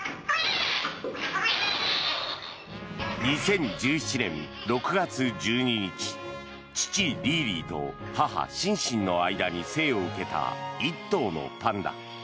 ２０１７年６月１２日父・リーリーと母・シンシンの間に生を受けた１頭のパンダ。